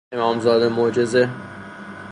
امام زاده معجزه